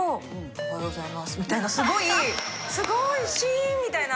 「おはようございます」みたいなすごいシーンみたいな。